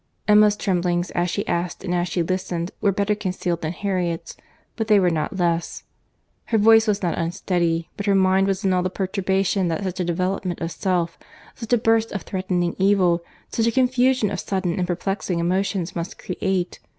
—Emma's tremblings as she asked, and as she listened, were better concealed than Harriet's, but they were not less. Her voice was not unsteady; but her mind was in all the perturbation that such a development of self, such a burst of threatening evil, such a confusion of sudden and perplexing emotions, must create.